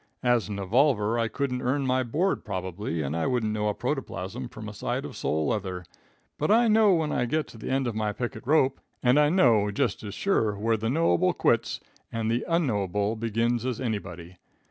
As an evolver I couldn't earn my board, probably, and I wouldn't know a protoplasm from a side of sole leather; but I know when I get to the end of my picket rope, and I know just as sure where the knowable quits and the unknowable begins as anybody.